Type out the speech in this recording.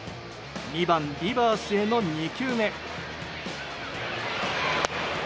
２番、ディバースへの２球目。